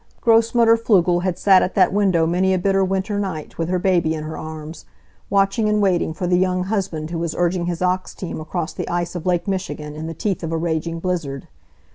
Grossmutter Pflugel had sat at that window many a bitter winter night, with her baby in her arms, watching and waiting for the young husband who was urging his ox team across the ice of Lake Michigan in the teeth of a raging blizzard.